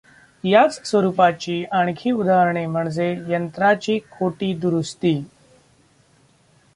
याच स्वरुपाची आणखी उदाहरण म्हणजे यंत्राची 'खोटी'दुरुस्ती.